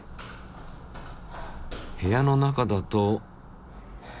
部屋の中だと。